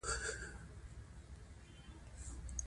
سمندر نه شتون د افغانستان د اوږدمهاله پایښت لپاره مهم رول لري.